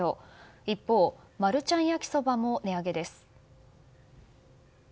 一方、マルちゃん焼きそばも値上げです。